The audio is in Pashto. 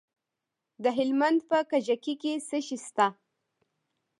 د هلمند په کجکي کې څه شی شته؟